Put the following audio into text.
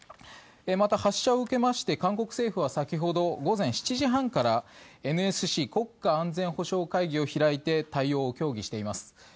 また、発射を受けまして韓国政府は先ほど午前７時半からＮＳＣ・国家安全保障会議を開いて対応を協議しています。